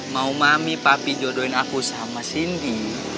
mau mami papi jodohin aku sama cindy